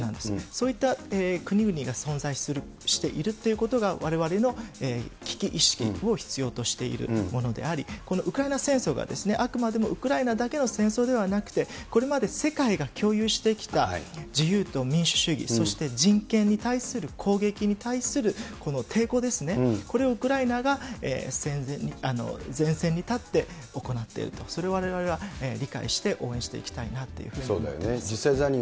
そういった国々が存在しているということが、われわれの危機意識を必要としているものであり、このウクライナ戦争が、あくまでもウクライナだけの戦争ではなくて、これまで世界が共有してきた自由と民主主義、そして人権に対する攻撃に対するこの抵抗ですね、これをウクライナが前線に立って行っていると、それをわれわれは理解して応援していきたいなというふうに思ってそうですよね。